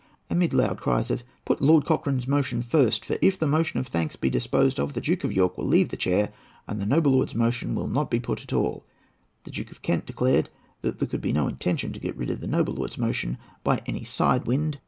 Amid loud cries of "Put Lord Cochrane's motion first, for if the motion of thanks be disposed of, the Duke of York will leave the chair, and the noble lord's motion will not be put at all," the Duke of Kent declared that there could be no intention to get rid of the noble lord's motion by any side wind.